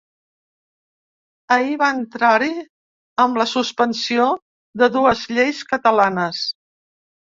Ahir va entrar-hi amb la suspensió de dues lleis catalanes.